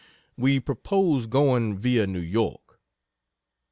We propose going via New York.